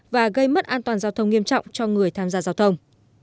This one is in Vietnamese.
và gây mất an toàn giao thông nghiêm trọng cho người tham gia giao thông